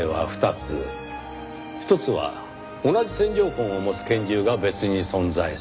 １つは同じ線条痕を持つ拳銃が別に存在する。